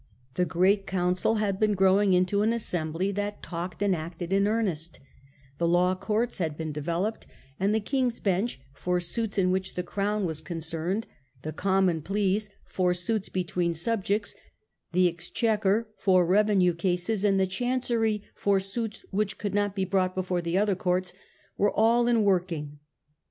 The great council had been growing into an assembly that talked and acted in earnest The law courts had been developed, and the King's Bench (for suits in which the crown was concerned), the Common Pleas (for suits between subjects), the Exchequer (for revenue cases), and the Chancery (for suits which could not be brought before the other courts) were all in work ing.